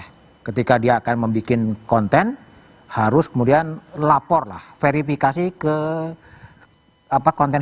hai ketika dia akan membuat konten harus kemudian lapor lah verifikasi ke apa konten